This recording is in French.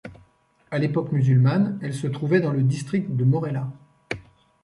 À l'époque musulmane, elle se trouvait dans le district de Morella.